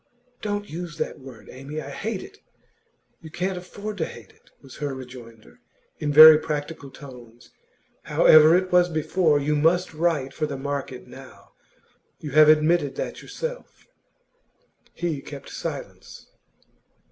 'Don't use that word, Amy. I hate it!' 'You can't afford to hate it,' was her rejoinder, in very practical tones. 'However it was before, you must write for the market now. You have admitted that yourself.' He kept silence.